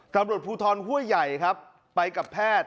ตำรวจภูทรห้วยใหญ่ครับไปกับแพทย์